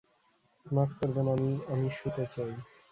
মাফ করবেন, আমি — আমি শুতে চাই।